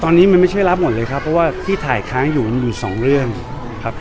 ตอนนี้มันไม่ใช่รับหมดเลยครับเพราะว่าที่ถ่ายค้างอยู่มันมีอยู่สองเรื่องครับ